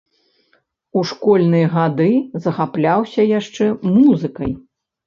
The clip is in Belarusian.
У школьныя гады захапляўся яшчэ музыкай.